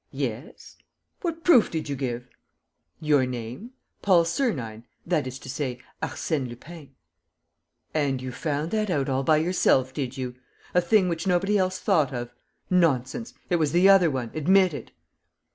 "Yes." "What proof did you give?" "Your name: Paul Sernine, that is to say, Arsène Lupin." "And you found that out all by yourself, did you? ... A thing which nobody else thought of? ... Nonsense! It was the other one. Admit it!"